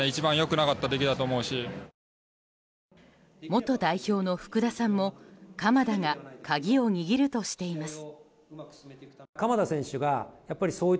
元代表の福田さんも鎌田が鍵を握るとしています。